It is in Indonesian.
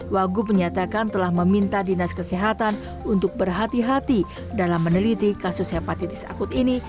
wagub menyatakan telah meminta dinas kesehatan untuk berhati hati dalam meneliti kasus hepatitis akut ini